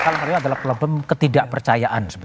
salah hari ini adalah problem ketidak percayaan